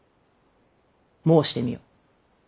申してみよ。